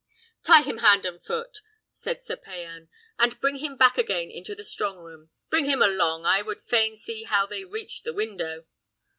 "Tie him hand and foot," said Sir Payan, "and bring him back again into the strong room. Bring him along, I would fain see how they reached the window."